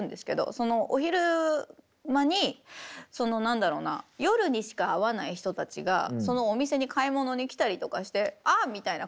そのお昼間にその何だろうな夜にしか会わない人たちがそのお店に買い物に来たりとかして「あっ」みたいな感じ。